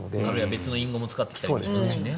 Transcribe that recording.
別の隠語も使ってきたりしますしね。